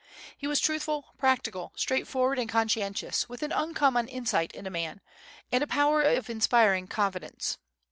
He was truthful, practical, straight forward, and conscientious, with an uncommon insight into men, and a power of inspiring confidence.